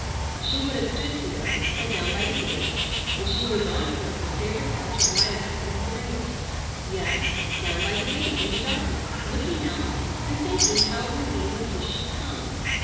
She would have stood here, or down by the gate—and she moved on toward her favorite arch of lilac and syringa—yes, down by the gate in the darkness looking out and thinking how it would be when he should come.